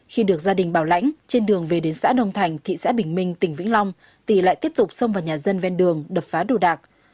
khi được gia đình bảo lãnh trên đường về đến xã đông thành thị xã bình minh tỉnh vĩnh long tì lại tiếp tục xông vào nhà dân ven đường đập phá đồ đạc